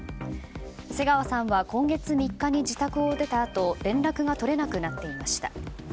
瀬川さんは今月３日に自宅を出たあと連絡が取れなくなっていました。